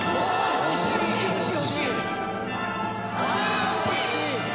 惜しい。